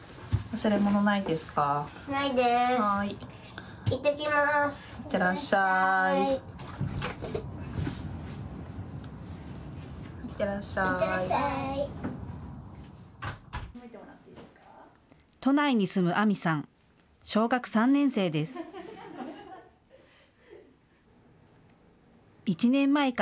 忘れ物ないですか。